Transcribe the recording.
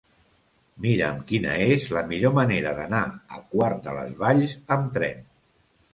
Mira'm quina és la millor manera d'anar a Quart de les Valls amb tren.